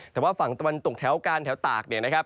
แต่ว่าฝั่งตะวันตกแถวการแถวตากเนี่ยนะครับ